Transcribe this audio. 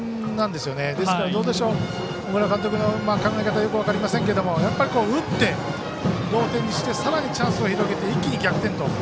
ですから、小倉監督の考え方はよく分かりませんけれども打って同点にしてさらにチャンスを広げて一気に逆転と。